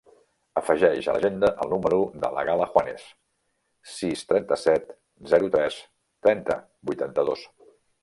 Afegeix a l'agenda el número de la Gala Juanes: sis, trenta-set, zero, tres, trenta, vuitanta-dos.